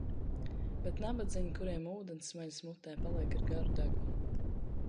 Bet nabadziņi, kuriem ūdens smeļas mutē, paliek ar garu degunu.